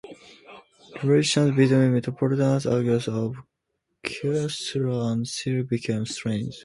Relations between Metropolitan Acacius of Caesarea and Cyril became strained.